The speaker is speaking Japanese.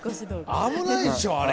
「危ないでしょあれ！」